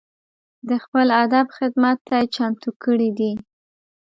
د خپل ادب خدمت ته یې چمتو کړي دي.